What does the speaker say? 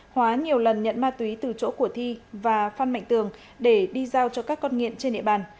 hóa nhiều lần nhận ma túy từ chỗ của thi và phan mạnh tường để đi giao cho các con nghiện trên địa bàn